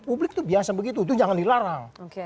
publik itu biasa begitu itu jangan dilarang